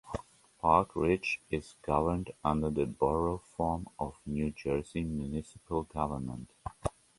Park Ridge is governed under the Borough form of New Jersey municipal government.